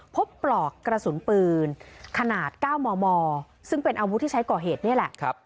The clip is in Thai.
ปลอกกระสุนปืนขนาด๙มมซึ่งเป็นอาวุธที่ใช้ก่อเหตุนี่แหละ